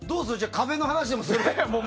壁の話でもする？